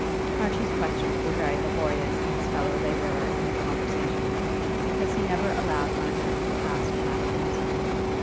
Archie's questions were very laborious to his fellow labourer in his conversation because he never allowed one of them to pass without an answer.